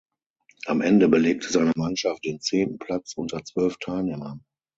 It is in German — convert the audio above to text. Am Ende belegte seine Mannschaft den zehnten Platz unter zwölf Teilnehmern.